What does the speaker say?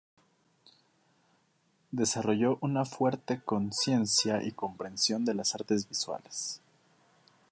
Desarrolló una fuerte conciencia y comprensión de las artes visuales.